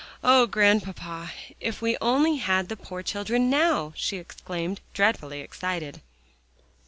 "Oh, Grandpapa, if we only had the poor children now!" she exclaimed, dreadfully excited.